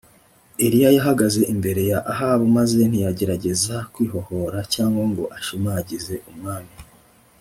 Eliya yahagaze imbere ya Ahabu maze ntiyagerageza kwihohora cyangwa ngo ashimagize umwami